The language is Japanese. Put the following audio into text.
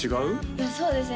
いやそうですね